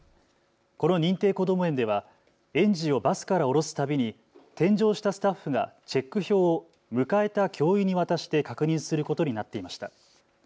この認定こども園では園児をバスから降ろすたびに添乗したスタッフがチェック表を迎えた教諭に渡して確認することになっていました。